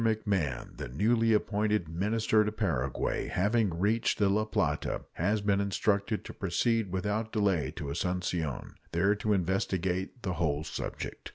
McMahon, the newly appointed minister to Paraguay, having reached the La Plata, has been instructed to proceed without delay to Asuncion, there to investigate the whole subject.